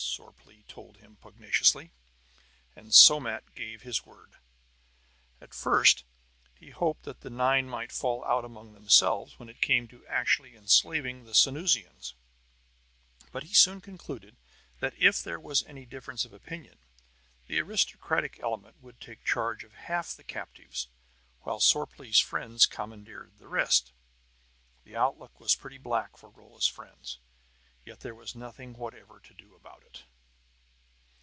Sorplee told him pugnaciously; and Somat gave his word. At first he hoped that the nine might fall out among themselves when it came to actually enslaving the Sanusians; but he soon concluded that, if there was any difference of opinion, the aristocratic element would take charge of half the captives, while Sorplee's friends commandeered the rest. The outlook was pretty black for Rolla's friends; yet there was nothing whatever to do about it.